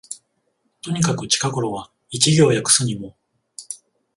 とにかく近頃は一行訳すにも、